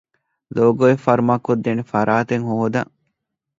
ލޯގޯއެއް ފަރުމާކޮށްދޭނެ ފަރާތެއް ހޯދަން